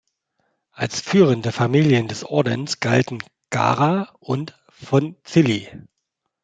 Als führende Familien des Ordens galten "Gara" und "von Cilli".